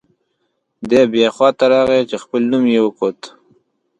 دی بیا خوا ته راغی چې خپل نوم یې وکوت.